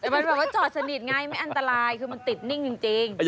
มันแบบว่าจอดสนิทง่ายไม่อันตรายคือมันติดนิ่งจริง